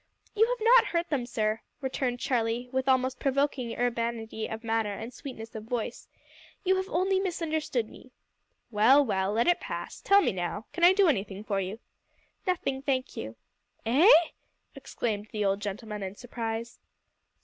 "You have not hurt them, sir," returned Charlie, with almost provoking urbanity of manner and sweetness of voice, "you have only misunderstood me." "Well, well, let it pass. Tell me, now, can I do anything for you?" "Nothing, thank you." "Eh?" exclaimed the old gentleman in surprise.